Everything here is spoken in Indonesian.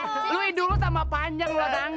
kamu tambah panjang luar nangis